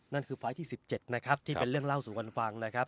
นั่นคือไฟล์ที่๑๗นะครับที่เป็นเรื่องเล่าสู่กันฟังนะครับ